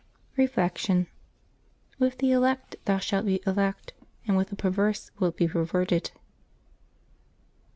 Reflection. — "With the elect thou shalt be elect, and with the perverse wilt be perverted."